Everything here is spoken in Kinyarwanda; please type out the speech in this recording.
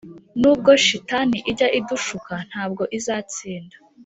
nubwo shitani ijya idushuka, ntabwo izatsinda.